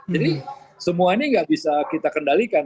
jadi semua ini nggak bisa kita kendalikan